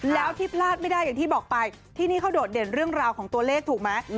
แล้วที่พลาดไม่ได้อย่างที่บอกไปที่นี่เขาโดดเด่นเรื่องราวของตัวเลขถูกไหม